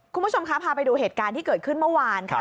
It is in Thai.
คุณผู้ชมคะพาไปดูเหตุการณ์ที่เกิดขึ้นเมื่อวานค่ะ